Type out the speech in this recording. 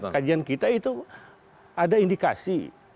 kajian kita itu ada indikasi